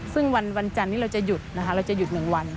ซึ่งวันวันจันทร์นี้เราจะหยุด๑วัน